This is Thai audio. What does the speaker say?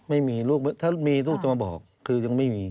ไม่มีลูกถ้ามีลูกจะมาบอกคือยังไม่มี